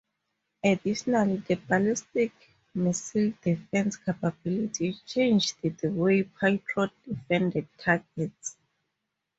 Additionally, the ballistic missile defense capability changed the way Patriot defended targets.